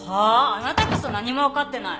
あなたこそ何も分かってない。